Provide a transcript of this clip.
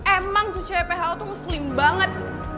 emang tuh cypho tuh muslim banget